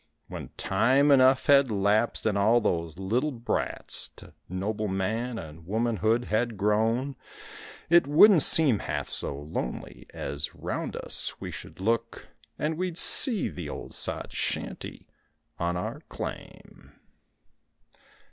When time enough had lapsed and all those little brats To noble man and womanhood had grown, It wouldn't seem half so lonely as round us we should look And we'd see the old sod shanty on our claim.